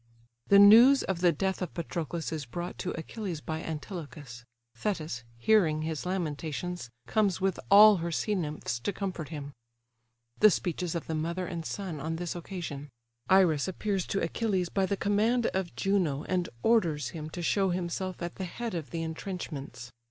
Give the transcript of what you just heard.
The news of the death of Patroclus is brought to Achilles by Antilochus. Thetis, hearing his lamentations, comes with all her sea nymphs to comfort him. The speeches of the mother and son on this occasion. Iris appears to Achilles by the command of Juno, and orders him to show himself at the head of the intrenchments.